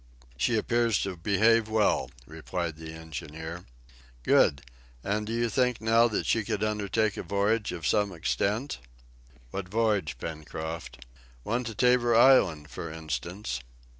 "She appears to behave well," replied the engineer. "Good! And do you think now that she could undertake a voyage of some extent?" "What voyage, Pencroft?" "One to Tabor Island, for instance."